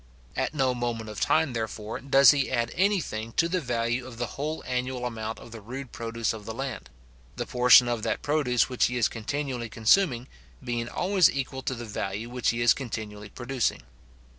At no moment of time, therefore, does he add any thing to the value of the whole annual amount of the rude produce of the land: the portion of that produce which he is continually consuming, being always equal to the value which he is continually producing.